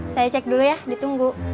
saya cek dulu ya ditunggu